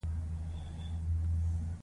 باغ مو څوک ساتی؟ زه پخپله